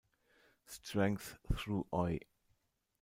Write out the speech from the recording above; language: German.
Strength Thru Oi!